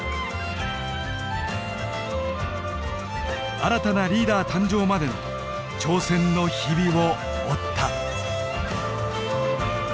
新たなリーダー誕生までの挑戦の日々を追った。